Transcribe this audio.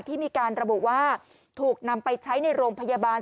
ที่มีการระบุว่าถูกนำไปใช้ในโรงพยาบาล